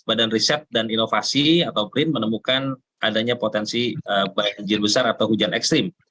badan riset dan inovasi atau brin menemukan adanya potensi banjir besar atau hujan ekstrim